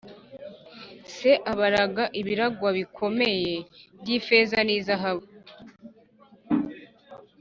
Se abaraga ibiragwa bikomeye by ifeza n izahabu